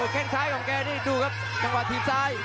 แกล้งซ้ายของแกร่ดูครับยังความทีมซ้าย